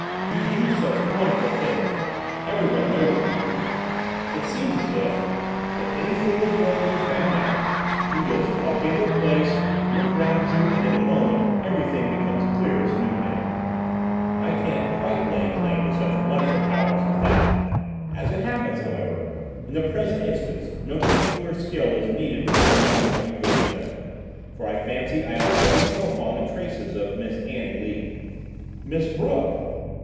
"You do such wonderful things; everyone knows you do. It seems as if, when anything is wanted to be found out, you just walk into a place, look round you and, in a moment, everything becomes clear as noonday." "I can't quite lay claim to such wonderful powers as that. As it happens, however, in the present instance, no particular skill is needed to find out what you wish to know, for I fancy I have already come upon the traces of Miss Annie Lee." "Miss Brooke!"